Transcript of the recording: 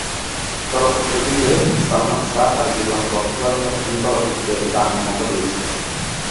চলচ্চিত্রটিতে সালমান শাহ তার জীবনে প্রথমবারের মত কোনো চলচ্চিত্রের গানে কণ্ঠ দিয়েছিলেন।